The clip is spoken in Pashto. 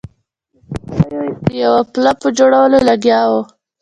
د کښتیو د یوه پله په جوړولو لګیا وو.